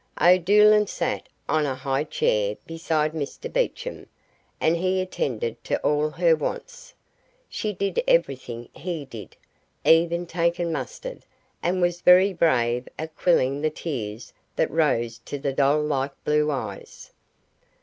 O'Doolan sat on a high chair beside Mr Beecham, and he attended to all her wants. She did everything he did, even taking mustard, and was very brave at quelling the tears that rose to the doll like blue eyes.